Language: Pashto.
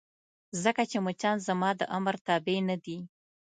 ځکه چې مچان زما د امر تابع نه دي.